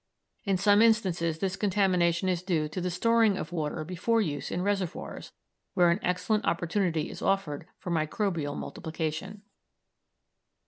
In some instances this contamination is due to the storing of water before use in reservoirs, where an excellent opportunity is offered for microbial multiplication.